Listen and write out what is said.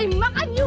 tuh ada yang tiup